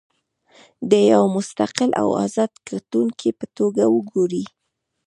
د یوه مستقل او ازاد کتونکي په توګه وګورئ.